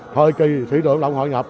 thời kỳ thị trường lao động hội ngập